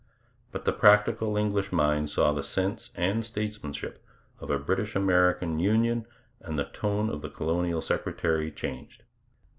But the practical English mind saw the sense and statesmanship of a British American union, and the tone of the colonial secretary changed.